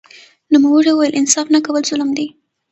نوموړي وویل انصاف نه کول ظلم دی